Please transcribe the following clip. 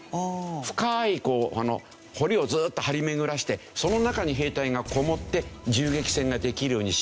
深い壕をずっと張り巡らせてその中に兵隊がこもって銃撃戦ができるようにしよう。